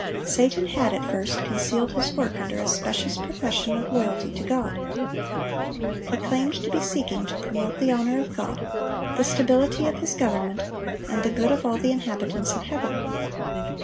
Satan had, at first, concealed his work under a specious profession of loyalty to God. He claimed to be seeking to promote the honor of God, the stability of His government, and the good of all the inhabitants of heaven.